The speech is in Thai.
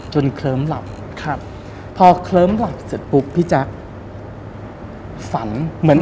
เคลิ้มหลับครับพอเคลิ้มหลับเสร็จปุ๊บพี่แจ๊คฝันเหมือน